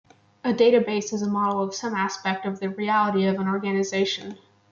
A database is a model of some aspect of the reality of an organisation.